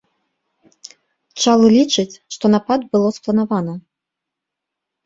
Чалы лічыць, што напад было спланавана.